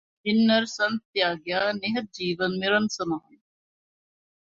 ਜਿਨਹ ਨਰ ਸੱਤ ਤਿਆਗਿਆ ਨਿਹਤ ਜੀਵਨ ਮਿਰਨ ਸਮਾਨ